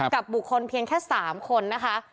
กับบุคคลเพียงแค่๓คนนะคะ